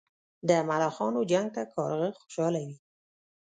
د ملخانو جنګ ته کارغه خوشاله وي.